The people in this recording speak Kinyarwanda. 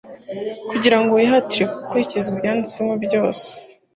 kugira ngo wihatire gukurikiza ibyanditswemo byose